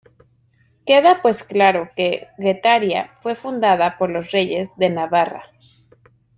Queda pues claro que Guetaria fue fundada por los reyes de Navarra.